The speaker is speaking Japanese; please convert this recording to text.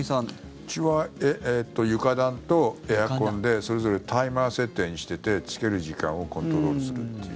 うちは床暖とエアコンでそれぞれタイマー設定にしててつける時間をコントロールするっていう。